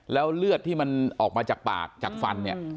แล้วเลือดที่มันออกมาจากปากจากฟันเนี่ย